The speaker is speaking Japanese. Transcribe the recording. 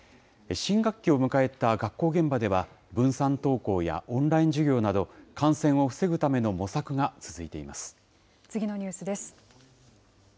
新学期を迎えた学校現場では、分散登校やオンライン授業など、感染を防ぐための模索が続いてい次のニュースです。